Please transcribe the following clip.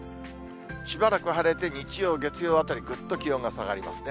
しばらく晴れて、日曜、月曜あたり、ぐっと気温が下がりますね。